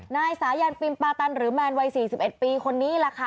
นายสายันปิมปาตันหรือแมนวัย๔๑ปีคนนี้แหละค่ะ